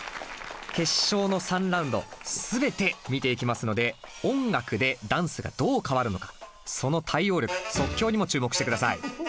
決勝の３ラウンド全て見ていきますので音楽でダンスがどう変わるのかその対応力即興にも注目して下さい。